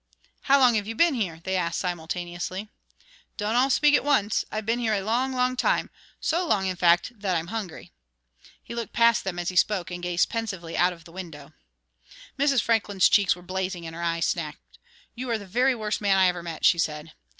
"How long have you been here?" they asked simultaneously. "Don't all speak at once. I've been here a long, long time so long, in fact, that I'm hungry." He looked past them as he spoke and gazed pensively out of the window. Mrs. Franklin's cheeks were blazing and her eyes snapped. "You're the very worst man I ever met," she said.